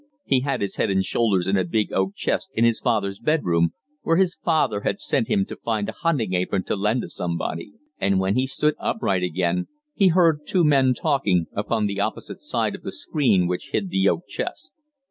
He had his head and shoulders in a big oak chest in his father's bedroom, where his father had sent him to find a hunting apron to lend to somebody, and when he stood upright again he heard two men talking, upon the opposite side of the screen which hid the oak chest.